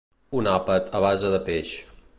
Un àpat a base de peix.